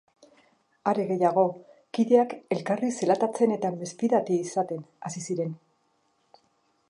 Are gehiago, kideak elkarri zelatatzen eta mesfidati izaten hasi ziren.